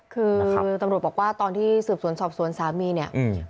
คือตำรวจบอกว่าตอนที่สืบสวนสอบสวนสามีเนี่ย